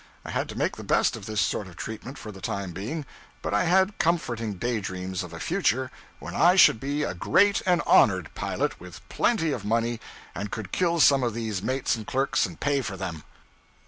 I had to make the best of this sort of treatment for the time being, but I had comforting daydreams of a future when I should be a great and honored pilot, with plenty of money, and could kill some of these mates and clerks and pay for them.